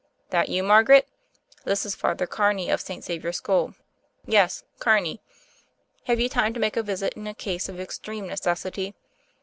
"That you, Margaret? This is Father Car ney of St. Xavier School. Yes — Carney. Have you time to make a visit in a case of extreme necessity?